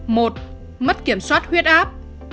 một mất kiểm soát huyết áp